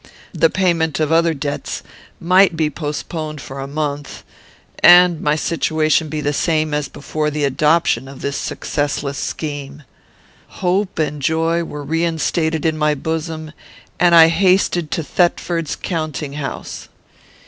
The payment of other debts might be postponed for a month, and my situation be the same as before the adoption of this successless scheme. Hope and joy were reinstated in my bosom, and I hasted to Thetford's counting house.